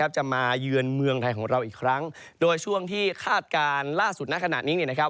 จะมาเยือนเมืองไทยของเราอีกครั้งโดยช่วงที่คาดการณ์ล่าสุดณขณะนี้